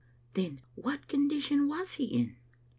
" Then what condition was he in?"